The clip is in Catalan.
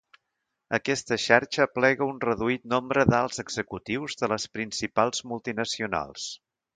Aquesta xarxa aplega un reduït nombre d'alts executius de les principals multinacionals.